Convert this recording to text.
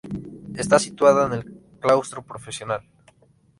Está situada en el claustro profesional.